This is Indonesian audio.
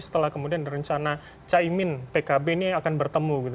setelah kemudian rencana caimin pkb ini akan bertemu